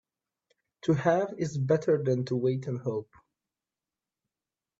To have is better than to wait and hope.